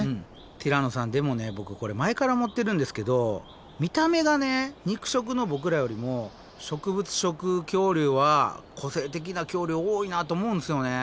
ティラノさんでもねボクこれ前から思ってるんですけど見た目がね肉食のボクらよりも植物食恐竜は個性的な恐竜多いなと思うんですよね。